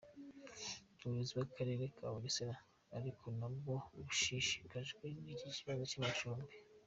Ubuyobozi bw’akarere ka Bugesera ariko na bwo bushishikajwe n’iki kibazo cy’amacumbi.